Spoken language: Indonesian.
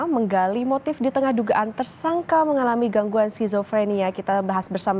menggali motif di tengah dugaan tersangka mengalami gangguan skizofrenia kita bahas bersama